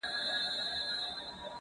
اوس مي له هري لاري پښه ماته ده’